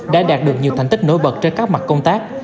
đã đạt được nhiều thành tích nổi bật trên các mặt công tác